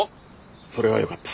それはよかった。